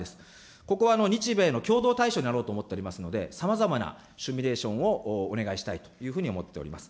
ここは日米の共同対処になろうかと思っておりますので、さまざまなシミュレーションをお願いしたいというふうに思っております。